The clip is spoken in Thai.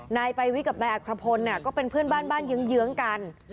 นายไปวิกกับนายอักพรพลเนี่ยก็เป็นเพื่อนบ้านเยื้องกัน